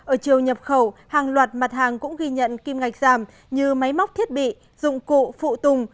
ở chiều nhập khẩu hàng loạt mặt hàng cũng ghi nhận kim ngạch giảm như máy móc thiết bị dụng cụ phụ tùng